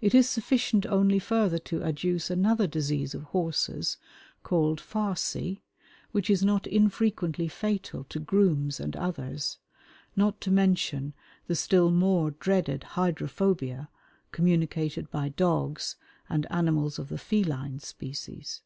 It is sufficient only further to adduce another disease of horses, called "farcy," which is not infrequently fatal to grooms and others, not to mention the still more dreaded hydrophobia communicated by dogs and animals of the feline species.